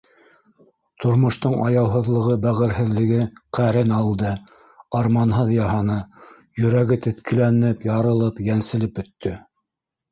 Тормоштоң аяуһыҙлығы, бәғерһеҙлеге ҡәрен алды, арманһыҙ яһаны, йөрәге теткеләнеп, ярылып, йәнселеп бөттө.